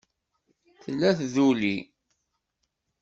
Tella tduli?